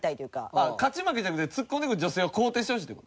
ああ勝ち負けじゃなくてツッコんでくる女性を肯定してほしいって事？